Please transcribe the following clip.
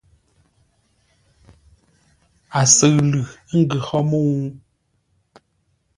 A sʉʉ lʉ, ə́ ngʉ hó mə́u?